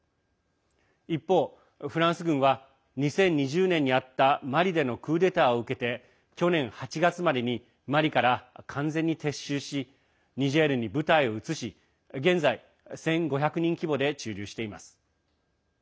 一方、フランス軍は２０２０年にあったマリでのクーデターを受けて去年８月までにマリから完全に撤収しニジェールに部隊を移し現在１５００人規模で駐留しています。